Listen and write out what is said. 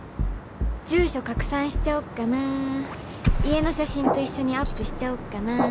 住所拡散しちゃおっかな家の写真と一緒にアップしちゃおっかな